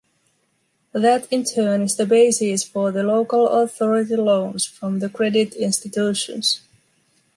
That in turn is the basis for the local authority loans from the credit institutions.